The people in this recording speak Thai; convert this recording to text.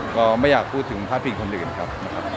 ก็ไม่อยากพูดถึงพาดพิงคนอื่นครับ